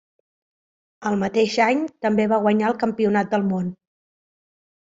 Al mateix any també va guanyar el Campionat del món.